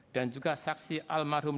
dan juga saksi almarhum